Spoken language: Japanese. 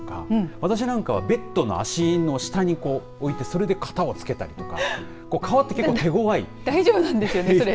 私なんかはベッドの足の下に置いてそれで型をつけたりとか革って結構、手ごわい大丈夫なんですよね。